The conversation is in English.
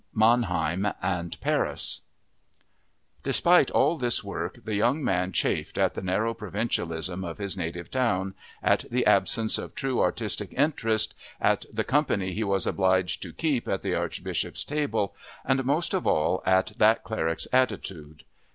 Mannheim and Paris Despite all this work, the young man chafed at the narrow provincialism of his native town, at the absence of true artistic interest, at the company he was obliged to keep at the Archbishop's table, and, most of all, at that cleric's attitude.